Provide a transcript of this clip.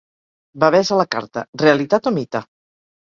Bebès a la carta: realitat o mite?